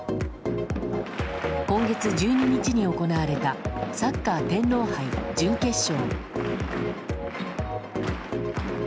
今月１２日に行われたサッカー天皇杯準決勝。